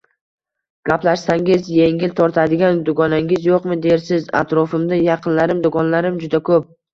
Gaplashsangiz, engil tortadigan dugonangiz yo`qmi dersiz, atrofimda yaqinlarim, dugonalarim juda ko`p